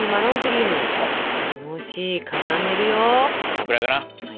このくらいかな？